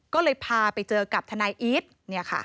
ก็เลยพาไปเจอกับทนายอีท